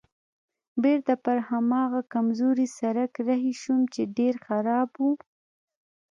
بېرته پر هماغه کمزوري سړک رهي شوم چې ډېر خراب و.